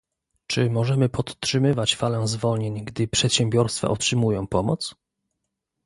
Czy możemy podtrzymywać falę zwolnień gdy przedsiębiorstwa otrzymują pomoc?